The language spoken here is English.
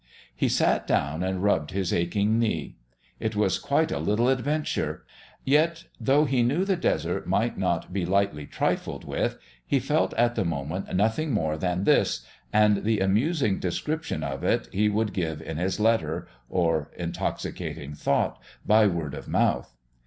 He sat down and rubbed his aching knee. It was quite a little adventure. Yet, though he knew the Desert might not be lightly trifled with, he felt at the moment nothing more than this and the amusing description of it he would give in his letter, or intoxicating thought by word of mouth.